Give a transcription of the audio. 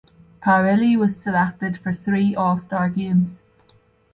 Parilli was selected for three All-Star Games.